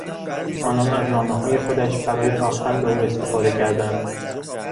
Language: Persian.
آنان از نامههای خودش برای تاختن به او استفاده کردند.